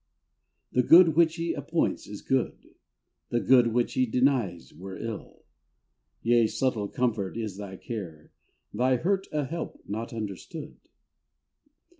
The good which He appoints is good, The good which He denies were ill; Yea, subtle comfort is thy care, Thy hurt a help not understood.